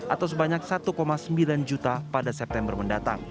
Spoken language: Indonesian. atau sebanyak satu sembilan juta pada september mendatang